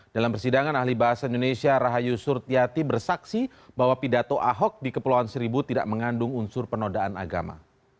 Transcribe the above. dalam persidangan ahli bahasa indonesia rahayu surtiati bersaksi bahwa pidato ahok di kepulauan seribu tidak mengandung unsur penodaan agama